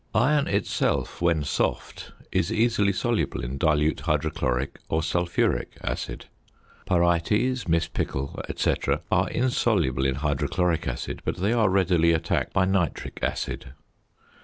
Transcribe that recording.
Iron itself, when soft, is easily soluble in dilute hydrochloric, or sulphuric, acid. Pyrites, mispickel, &c., are insoluble in hydrochloric acid, but they are readily attacked by nitric acid.